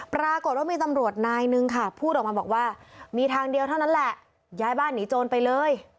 ปรากฏว่ามีตำรวจนายนึงค่ะพูดออกมาบอกว่ามีทางเดียวเท่านั้นแหละย้ายบ้านหนีโจรไปเลย